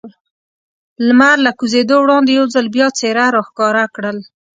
لمر له کوزېدو وړاندې یو ځل بیا څېره را ښکاره کړل.